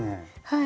はい。